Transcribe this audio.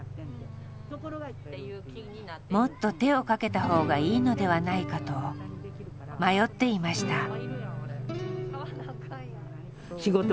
もっと手をかけた方がいいのではないかと迷っていました。